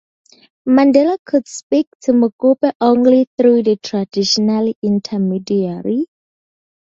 Mandela could speak to Mokope only through the traditional intermediary.